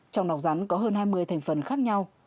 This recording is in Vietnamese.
trong nọc rắn có hơn hai mươi thành phần khác nhau